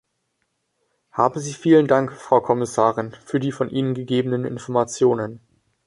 Haben Sie vielen Dank, Frau Kommissarin, für die von Ihnen gegebenen Informationen.